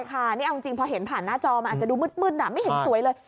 ค่ะนี่เอาจริงพอเห็นผ่านหน้าจอมันอาจจะดูมืดไม่เห็นสวยเลย